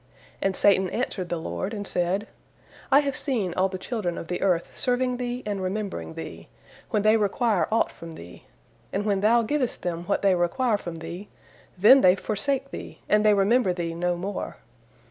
and Satan answered the Lord, and said: "I have seen all the children of the earth serving Thee and remembering Thee, when they require aught from Thee. And when Thou givest them what they require from Thee, then they forsake Thee, and they remember Thee no more.